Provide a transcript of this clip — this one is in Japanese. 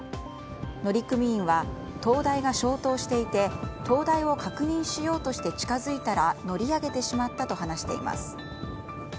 乗組員は、灯台が消灯していて灯台を確認しようとして近づいたら乗り上げてしまったと話しています。